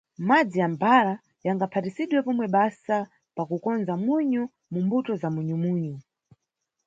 Madzi ya mʼbhara yangaphatisidwe pomwe basa pa kukonza munyu mu mbuto za cimunyu-munyu.